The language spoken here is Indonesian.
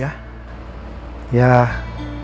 ya baik terima kasih pak